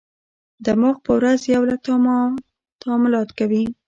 دماغ په ورځ یو لک تعاملات کوي.